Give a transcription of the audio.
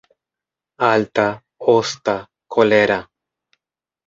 Alta, osta, kolera.